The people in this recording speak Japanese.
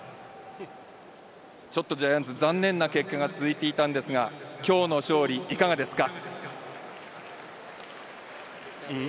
ちょっとジャイアンツ、残念な結果が続いていたんですが、きょうの勝利いかがですか？